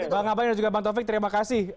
bang abalin dan juga bang taufik terima kasih